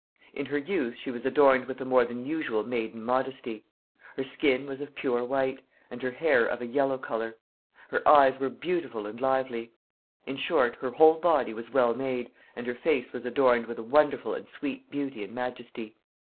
In her youth she was adorned with a more than usual maiden modesty; her skin was of pure white, and her hair of a yellow colour; her eyes were beautiful and lively. In short, her whole body was well made, and her face was adorned with a wonderful and sweet beauty and majesty.